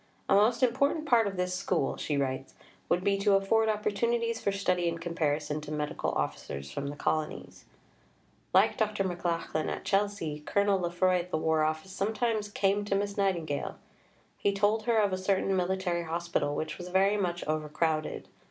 "A most important part of this School," she writes, would be to afford opportunities for study and comparison to Medical Officers from the Colonies. Like Dr. McLachlan at Chelsea, Colonel Lefroy at the War Office sometimes "came to Miss Nightingale." He told her of a certain military hospital which was very much overcrowded.